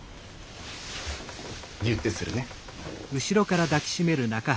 ギュッてするね。